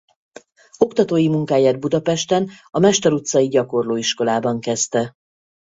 Oktatói munkáját Budapesten a Mester utcai gyakorló iskolában kezdte.